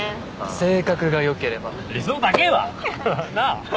性格がよければ理想高えわ！なあ？